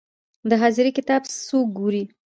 د حاضري کتاب څوک ګوري؟